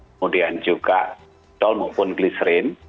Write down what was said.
kemudian juga doll maupun gliserin